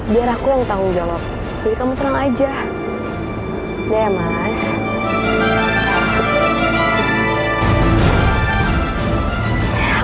biar aku yang tanggung jawabnya